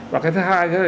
và cái thứ hai